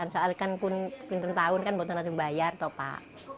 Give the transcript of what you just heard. soal kan pun lima belas tahun kan tidak ada yang bayar pak